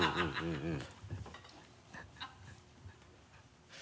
うん。